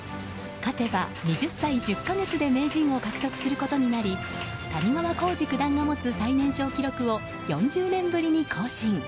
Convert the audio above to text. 勝てば、２０歳１０か月で名人を獲得することになり谷川浩司九段が持つ最年少記録を４０年ぶりに更新。